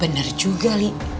bener juga li